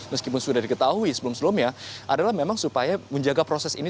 meskipun sudah diketahui sebelum sebelumnya adalah memang supaya menjaga proses ini